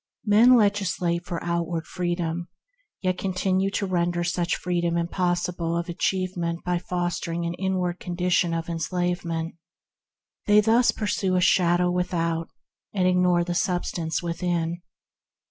Men legislate for an outward freedom, PERFECT FREEDOM 139 yet continue to render such freedom impos sible of achievement by fostering an inward condition of enslavement. They thus pursue a shadow without, and ignore the substance within.